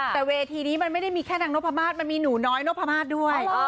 แต่เวทีนี้มันไม่ได้มีแค่นางนพมาศมันมีหนูน้อยนพมาศด้วย